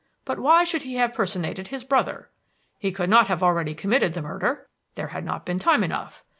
But why should he have personated his brother? He could not have already committed the murder. There had not been time enough.